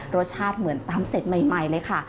รสชาติเหมือนตำเสร็จใหม่เลยค่ะ